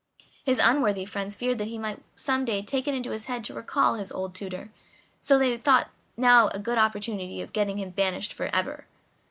His unworthy friends feared that he might some day take it into his head to recall his old tutor, so they thought they now had a good opportunity of getting him banished for ever.